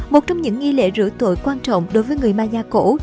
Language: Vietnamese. một trong những nghi lễ rửa tội quan trọng đối với người maya cổ